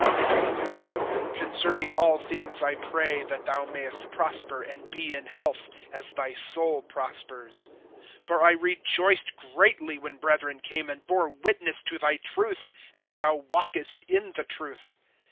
(2)Beloved, concerning all things I pray that thou mayest prosper and be in health, as thy soul prospers. (3)For I rejoiced greatly, when brethren came and bore witness to thy truth, as thou walkest in the truth.